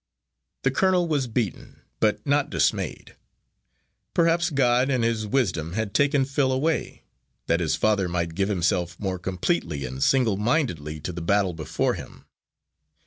The colonel was beaten, but not dismayed. Perhaps God in his wisdom had taken Phil away, that his father might give himself more completely and single mindedly to the battle before him.